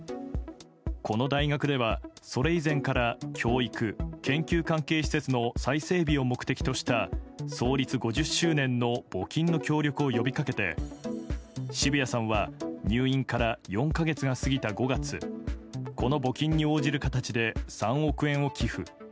この大学ではそれ以前から教育・研究関係施設の再整備を目的として創立５０周年の募金の協力を呼びかけて、澁谷さんは入院から４か月が過ぎた５月この募金に応じる形で３億円を寄付。